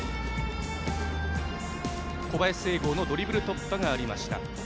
小林成豪のドリブル突破がありました。